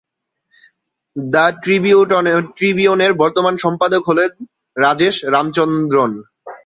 The "ট্রিবিউনের" বর্তমান সম্পাদক হলেন রাজেশ রামচন্দ্রন।